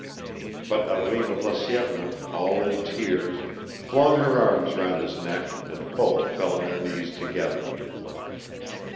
But Arina Vlasyevna, all in tears, flung her arms round his neck and both fell on their knees together.